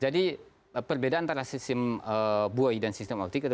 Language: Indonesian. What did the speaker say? jadi perbedaan antara sistem buoy dan sistem optik